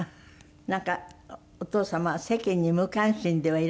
なんかお父様は世間に無関心ではいられない方だった。